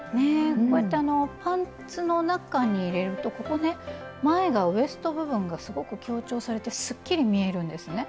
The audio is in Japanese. こうやってパンツの中に入れるとここね前がウエスト部分がすごく強調されてすっきり見えるんですね。